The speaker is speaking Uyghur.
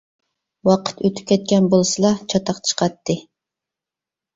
ۋاقىت ئۆتۈپ كەتكەن بولسىلا چاتاق چىقاتتى!